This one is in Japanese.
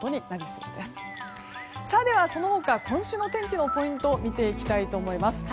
その他、今週の天気のポイントを見ていきたいと思います。